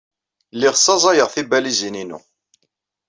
Lliɣ ssaẓayeɣ tibalizin-inu.